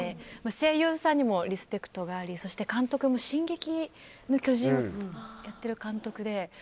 声優さんにもリスペクトがありそして監督も「進撃の巨人」をやっている監督で。